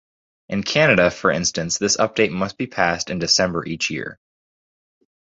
In Canada, for instance, this update must be passed in December each year.